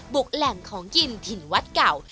แหล่งของกินถิ่นวัดเก่า